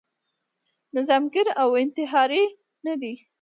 نظاميګر او انتحاري نه دی.